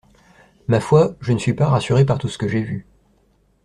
Ma foi, je ne suis pas rassuré par tout ce que j'ai vu.